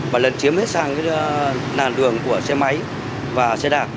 bạn lần chiếm hết sang nàn đường của xe máy và xe đạp